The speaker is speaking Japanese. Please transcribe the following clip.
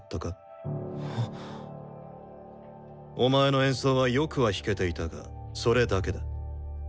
お前の演奏はよくは弾けていたがそれだけだ。